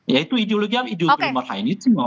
ya itu ideologi yang ideologi yang merah ini